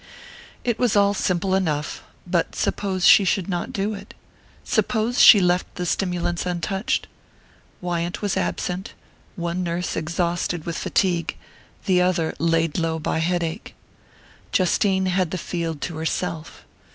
It was all simple enough but suppose she should not do it? Suppose she left the stimulants untouched? Wyant was absent, one nurse exhausted with fatigue, the other laid low by headache. Justine had the field to herself.